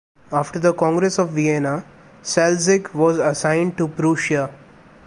After the Congress of Vienna Salzig was assigned to Prussia.